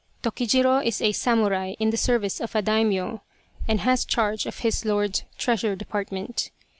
Tokijiro is a samurai in the service of a Daimyo, and has charge of his lord's treasure department.